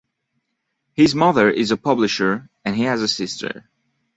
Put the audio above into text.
His mother is a publisher, and he has a sister.